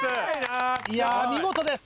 いや見事です。